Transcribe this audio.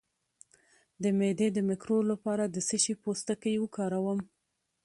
د معدې د مکروب لپاره د څه شي پوستکی وکاروم؟